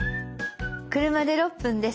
車で６分です。